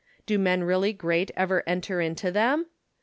Do men really great ever enter into them